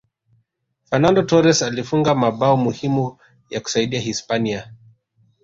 fernando torres alifunga mabao muhimu ya kuisaidia hispania